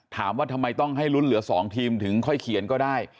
ถามว่าทำไมต้องให้ลุ้นเหลือ๒ทีมถึงค่อยเขียนก็ได้